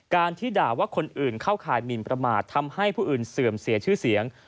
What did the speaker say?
ที่ด่าว่าคนอื่นเข้าข่ายหมินประมาททำให้ผู้อื่นเสื่อมเสียชื่อเสียง